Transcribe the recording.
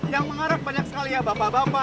yang mengarah banyak sekali ya bapak bapak